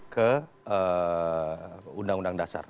ke undang undang dasar